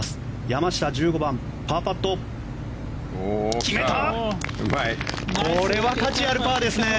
山下、１５番、パーパット決めた！